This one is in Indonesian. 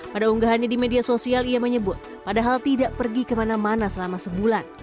pada unggahannya di media sosial ia menyebut padahal tidak pergi kemana mana selama sebulan